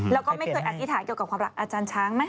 แล้วก็ไม่เคยอธิษฐานเกี่ยวกับความรักอาจารย์ช้างไหม